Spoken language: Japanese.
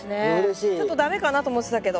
ちょっと駄目かなと思ってたけど。